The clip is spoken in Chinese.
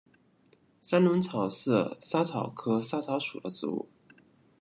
三轮草是莎草科莎草属的植物。